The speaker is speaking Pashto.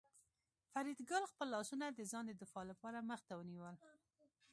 فریدګل خپل لاسونه د ځان د دفاع لپاره مخ ته ونیول